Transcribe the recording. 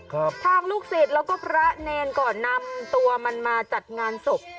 ทางลูกศิษย์แล้วก็พระเนรก็นำตัวมันมาจัดงานศพ